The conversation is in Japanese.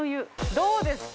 どうですか？